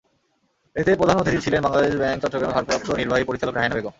এতে প্রধান অতিথি ছিলেন বাংলাদেশ ব্যাংক চট্টগ্রামের ভারপ্রাপ্ত নির্বাহী পরিচালক রাহেনা বেগম।